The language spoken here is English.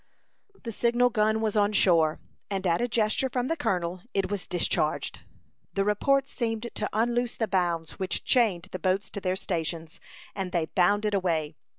The signal gun was on shore, and at a gesture from the colonel, it was discharged. The report seemed to unloose the bonds which chained the boats to their stations, and they bounded away.